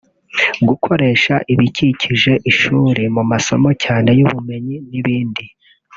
gukoresha ibikikije ishuri mu masomo cyane y’ubumenyi n’ibindi